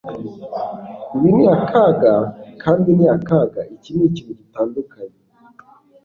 Ibi ni akaga kandi ni akaga Iki nikintu gitandukanye